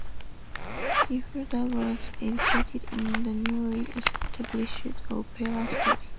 She further was educated in the newly established Opera Studio.